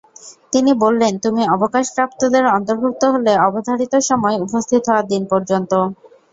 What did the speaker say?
তিনি বললেন, তুমি অবকাশ প্রাপ্তদের অন্তর্ভুক্ত হলে অবধারিত সময় উপস্থিত হওয়ার দিন পর্যন্ত।